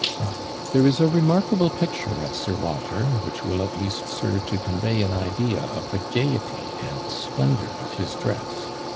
There is a remarkable picture of Sir Walter, which will at least serve to convey an idea of the gaiety and splendour of his dress.